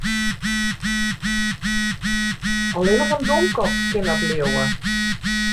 Allinnich in domkop kin dat leauwe.